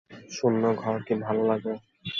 শূন্য ঘর কি ভালো লাগে?